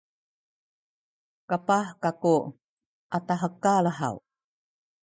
kapah kaku a tahekal haw?